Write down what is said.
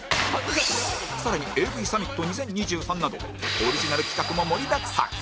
更に ＡＶ サミット２０２３などオリジナル企画も盛りだくさん